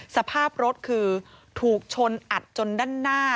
สภาพรถคือถูกชนอัดจนด้านหน้า